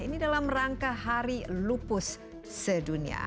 ini dalam rangka hari lupus sedunia